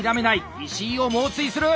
石井を猛追する！